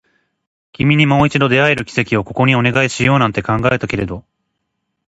君にもう一度出会える奇跡をここにお願いしようなんて考えたけれど